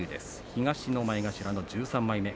東の前頭の１３枚目。